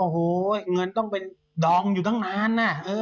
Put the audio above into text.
โอ้โหเงินต้องไปดองอยู่ตั้งนานนะ